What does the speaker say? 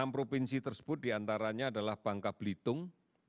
enam provinsi tersebut diantaranya adalah bangka belitung